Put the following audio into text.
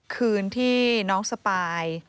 คืนที่น้องสปาย